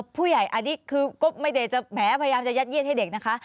ผู้ใหญ่อันนี้คือก็ไม่ได้จะแผลพยายามจะยัดเยียดให้เด็กนะคะ